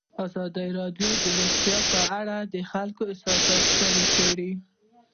ازادي راډیو د روغتیا په اړه د خلکو احساسات شریک کړي.